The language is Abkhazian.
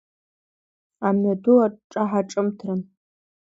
Амҩадуаҿ ҿаҳа-ҿымҭран.